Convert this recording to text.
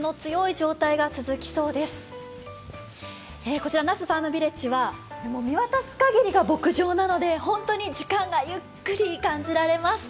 こちら那須ファームヴィレッジは見渡すかぎりが牧場なので、本当に時間がゆっくり感じられます。